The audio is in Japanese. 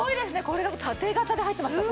これが縦型で入ってました。